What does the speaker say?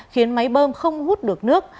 khiến máy bơm không hút được nước